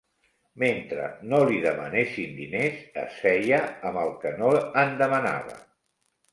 Mentre no li demanessin diners, es feia amb el que no en demanava